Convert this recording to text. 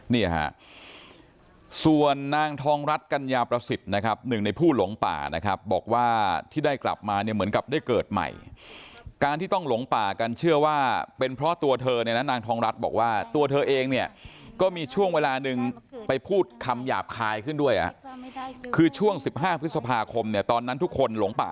เนี่ยฮะส่วนนางทองรัฐกัญญาประสิทธิ์นะครับหนึ่งในผู้หลงป่านะครับบอกว่าที่ได้กลับมาเนี่ยเหมือนกับได้เกิดใหม่การที่ต้องหลงป่ากันเชื่อว่าเป็นเพราะตัวเธอเนี่ยนะนางทองรัฐบอกว่าตัวเธอเองเนี่ยก็มีช่วงเวลาหนึ่งไปพูดคำหยาบคายขึ้นด้วยคือช่วง๑๕พฤษภาคมเนี่ยตอนนั้นทุกคนหลงป่า